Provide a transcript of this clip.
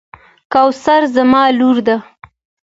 کوثر زما لور ده.